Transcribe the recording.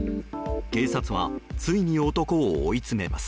警察はついに男を追い詰めます。